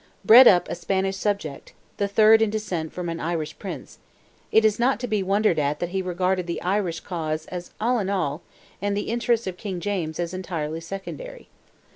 Bred up a Spanish subject—the third in descent from an Irish prince—it is not to be wondered at that he regarded the Irish cause as all in all, and the interests of King James as entirely secondary.